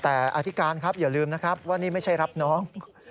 แต่อธิการครับอย่าลืมนะครับว่านี่ไม่ใช่รับน้อง